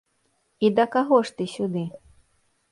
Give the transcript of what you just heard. І да каго ж ты сюды?